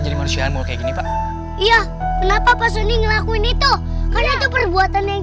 jadi manusiaan mau kayak gini pak iya kenapa pasun ngelakuin itu karena itu perbuatan yang